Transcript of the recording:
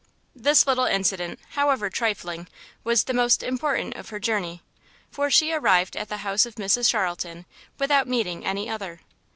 This little incident, however trifling, was the most important of her journey, for she arrived at the house of Mrs Charlton without meeting any other.